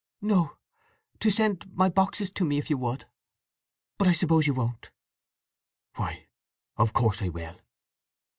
"No. To send—my boxes to me—if you would. But I suppose you won't." "Why, of course I will.